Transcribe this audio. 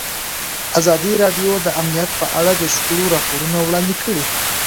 ازادي راډیو د امنیت په اړه د شخړو راپورونه وړاندې کړي.